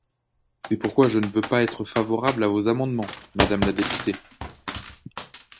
C’est pourquoi je ne peux pas être favorable à vos amendements, madame la députée.